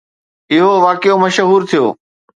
اهو واقعو مشهور ٿيو.